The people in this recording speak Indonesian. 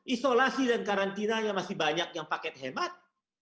isolasi dan karantina yang masih banyak yang pakai hemat